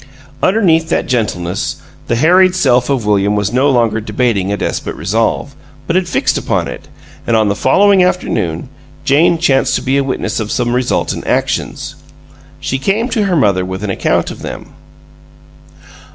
Underneath that gentleness, the harried self of William was no longer debating a desperate resolve, but had fixed upon it, and on the following afternoon Jane chanced to be a witness of some resultant actions. She came to her mother with an account of them.